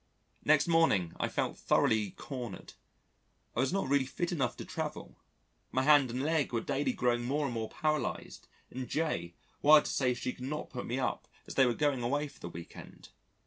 Next morning I felt thoroughly cornered: I was not really fit enough to travel; my hand and leg were daily growing more and more paralysed and J wired to say she could not put me up as they were going away for the week end.